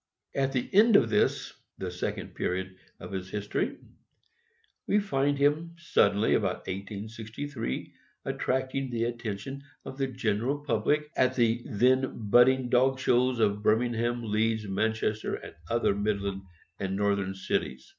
At the end of this the second period of his history, we find him suddenly, about 1863, attracting the attention of FOX TERRIER PUPPIES. the general public at the then "budding dog shows of Bir mingham, Leeds, Manchester, and other midland and northern cities.